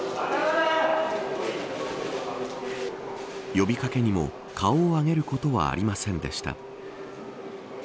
呼び掛けにも顔を上げることはありませんでした。